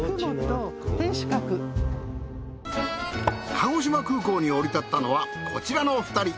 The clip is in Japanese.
鹿児島空港に降り立ったのはこちらのお二人。